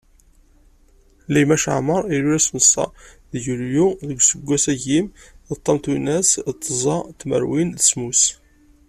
Laymac Aɛmaṛ, ilul ass n ṣa deg yulyu, deg useggas, agim d ṭam twinas d tẓa tmerwin d semmus.